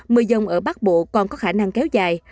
mưa dông ở bắc bộ còn có khả năng kéo dài